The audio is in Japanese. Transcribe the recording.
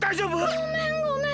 ごめんごめん。